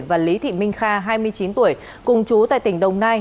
và lý thị minh kha hai mươi chín tuổi cùng chú tại tỉnh đồng nai